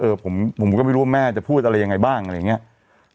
ผมก็ไม่รู้ว่าแม่จะพูดอะไรยังไงบ้างอะไรอย่างเงี้ย